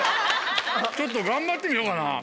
ちょっと頑張ってみようかな。